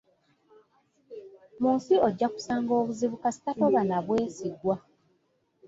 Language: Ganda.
Mu nsi ojja kusanga obuzibu kasita toba na bwesigwa.